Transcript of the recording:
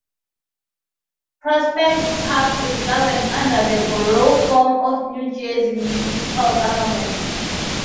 Prospect Park is governed under the Borough form of New Jersey municipal government.